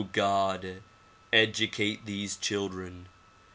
God! Educate these children.